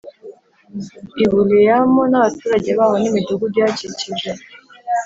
Ibuleyamu n’abaturage baho n’imidugudu ihakikije,